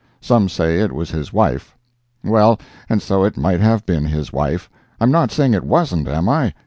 Some say it was his wife. Well, and so it might have been his wife—I'm not saying it wasn't, am I?